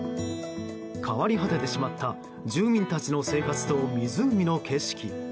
変わり果ててしまった住民たちの生活と湖の景色。